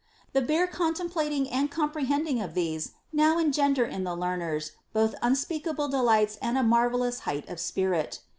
The bare con templating and comprehending of these now engender in the learners both unspeakable delights and a marvellous height of spirit.